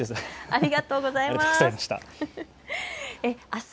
ありがとうございます。